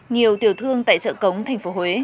nhiều tiểu thương tại chợ cống tp huế